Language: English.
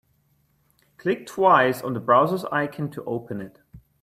Click twice on the browser's icon to open it.